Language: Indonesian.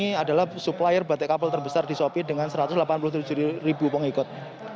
ini adalah supplier batik kapal terbesar di shopee dengan satu ratus delapan puluh tujuh ribu pengikut